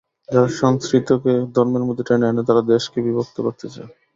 যারা সংস্কৃতিকে ধর্মের মধ্যে টেনে আনে, তারা দেশকে বিভক্ত করতে চায়।